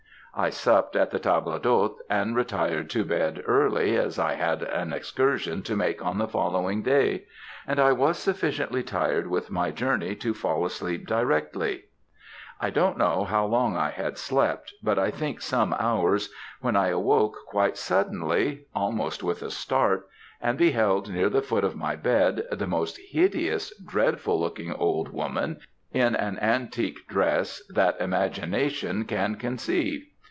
"I supped at the table d'hôte, and retired to bed early, as I had an excursion to make on the following day; and I was sufficiently tired with my journey to fall asleep directly. "I don't know how long I had slept but I think some hours, when I awoke quite suddenly, almost with a start, and beheld near the foot of the bed, the most hideous, dreadful looking old woman, in an antique dress, that imagination can conceive.